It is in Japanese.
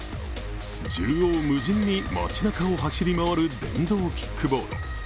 縦横無尽に街なかを走り回る電動キックボード。